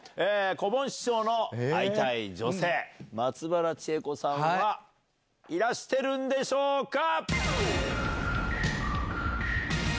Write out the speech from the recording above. こぼん師匠の会いたい女性松原智恵子さんはいらしてるんでしょうか？